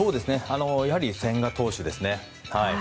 やはり千賀投手ですね。